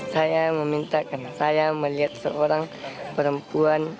saya meminta karena saya melihat seorang perempuan